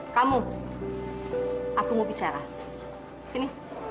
kamu aku mau bicara sini